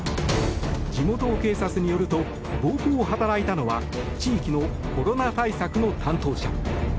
地元警察によると暴行を働いたのは地域のコロナ対策の担当者。